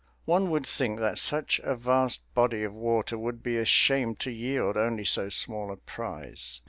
One would think that such a vast body of water would be ashamed to yield only so small a prize.